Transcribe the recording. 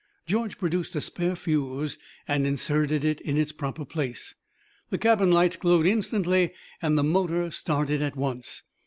George produced a spare fuse and inserted it in its proper place. The cabin lights glowed instantly and the motor started at once.